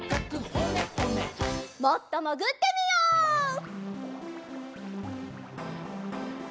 もっともぐってみよう！